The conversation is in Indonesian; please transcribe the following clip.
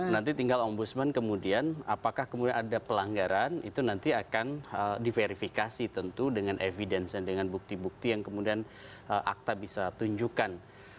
nanti tinggal ombudsman kemudian apakah kemudian ada pelanggaran itu nanti akan diverifikasi tentu dengan evidence nya dengan bukti bukti yang kemudian akta bisa tunjukkan